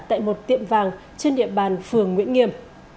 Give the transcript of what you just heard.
tại một tiệm vàng trên địa bàn phường nguyễn nghiêm